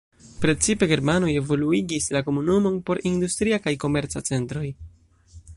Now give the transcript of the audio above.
Precipe germanoj evoluigis la komunumon por industria kaj komerca centroj.